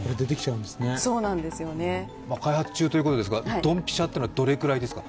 開発中ということですがドンピシャというのはどれぐらいですか。